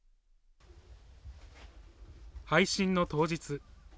配信の当日。